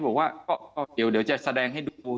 บอกว่าก็เดี๋ยวจะแสดงให้ดู